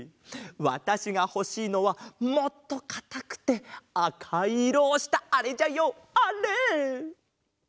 わたしがほしいのはもっとかたくてあかいいろをしたあれじゃよあれ！